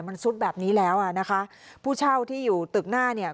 มันซุดแบบนี้แล้วอ่ะนะคะผู้เช่าที่อยู่ตึกหน้าเนี่ย